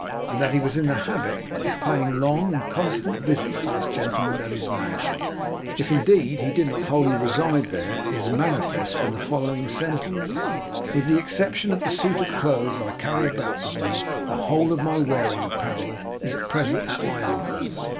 And that he was in the habit of paying long and constant visits to this gentleman at his mansion, if, indeed, he did not wholly reside there, is manifest from the following sentence: 'With the exception of the suit of clothes I carry about with me, the whole of my wearing apparel is at present at my uncle's.